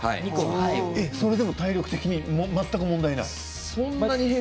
それでも体力的に問題ない？